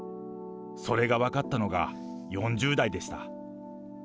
それが分かったのが４０代でした。